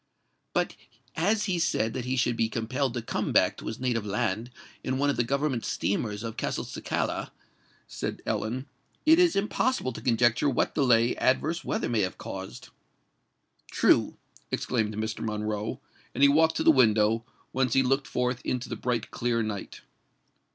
"But as he said that he should be compelled to come back to his native land in one of the government steamers of Castelcicala," said Ellen, "it is impossible to conjecture what delay adverse weather may have caused." "True," exclaimed Mr. Monroe; and he walked to the window, whence he looked forth into the bright clear night.